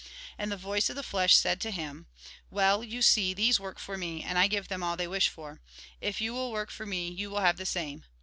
And the voice of the flesh said to him :" Well, you see, these work for me, and I give them all they wish for. If you will work for me, you will have the same."